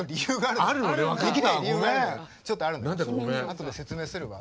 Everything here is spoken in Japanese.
後で説明するわ。